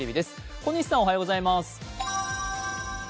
小西さん、おはようございます。